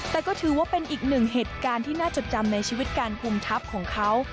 แต่ก็ถือว่าเป็นอีกหนึ่งเหตุการณ์ที่น่าจดจำในชีวิตการคุมทัพของเขา